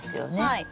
はい。